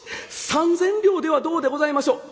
三千両ではどうでございましょう？」。